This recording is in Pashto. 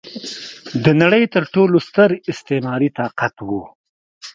د نړۍ تر ټولو ستر استعماري طاقت و.